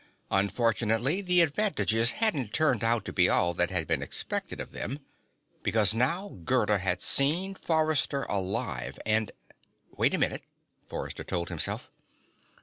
Unfortunately, the advantages hadn't turned out to be all that had been expected of them. Because now Gerda had seen Forrester alive and Wait a minute, Forrester told himself.